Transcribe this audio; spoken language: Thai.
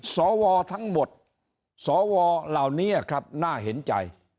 สวทั้งหมดสวเหล่านี้ครับน่าเห็นใจ